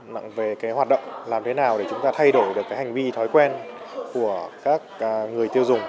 nặng về cái hoạt động làm thế nào để chúng ta thay đổi được hành vi thói quen của các người tiêu dùng